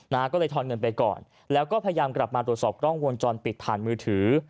ก็เลยทอนเงินไปก่อนแล้วก็พยายามกลับมาตรวจสอบกล้องวงจรปิดผ่านมือถือ